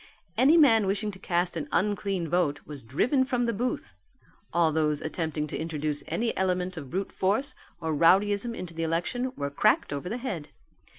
Any man wishing to cast an unclean vote was driven from the booth: all those attempting to introduce any element of brute force or rowdyism into the election were cracked over the head.